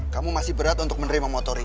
kamu masih berat untuk menerima motor ini